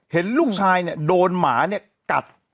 เห็นลูกชายเนี่ยโดนหมาเนี่ยกัด